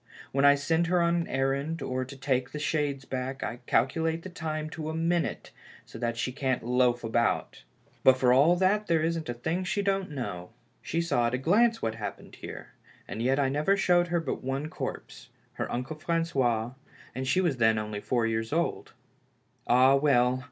When I send her on an errand, or to take the shades back, I calculate the time to a minute so that she can't loaf about, but for all that there isn't a thing she don't know. She saw at a glance what had hap pened here — and yet I never showed her but one corpse. 250 THE LAST HOPE. her uncle Fran9ois, and slie was then only four years old. All, well!